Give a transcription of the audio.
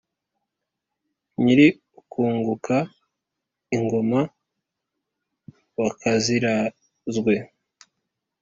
nyiri ukunguka ingoma, wakazirazwe.